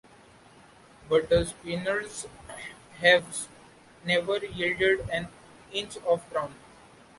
But the Spaniards have never yielded an inch of ground.